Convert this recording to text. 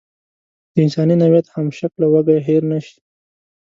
د انساني نوعیت همشکله وږی هېر نشي.